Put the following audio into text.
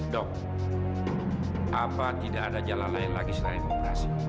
dok apa tidak ada jalan lain lagi selain operasi